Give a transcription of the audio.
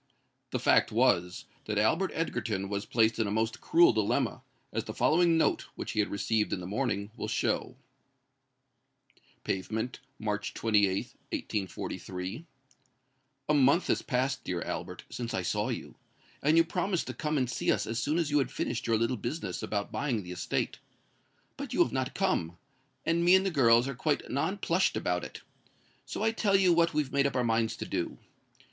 The fact was, that Albert Egerton was placed in a most cruel dilemma, as the following note, which he had received in the morning, will show:—— "Pavement, March 28th, 1843. "A month has passed, dear Albert, since I saw you; and you promised to come and see us as soon as you had finished your little business about buying the estate. But you have not come; and me and the girls are quite non plushed about it. So I tell you what we've made up our minds to do.